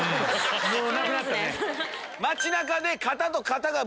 もうなくなったね。